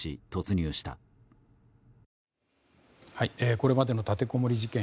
これまでの立てこもり事件